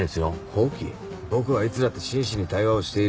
僕はいつだって真摯に対話をしている。